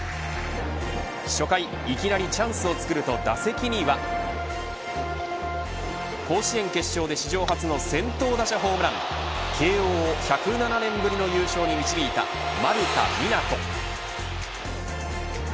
初回、いきなりチャンスをつくると、打席には甲子園決勝で史上初の先頭打者ホームラン慶応を１０７年ぶりの優勝に導いた丸田湊斗。